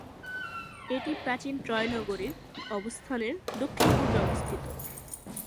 এটি প্রাচীন ট্রয় নগরীর অবস্থানের দক্ষিণ-পূর্বে অবস্থিত।